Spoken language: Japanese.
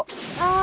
あ。